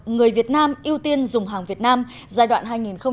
người việt nam ưu tiên dùng hàng việt nam giai đoạn hai nghìn một mươi bốn hai nghìn hai mươi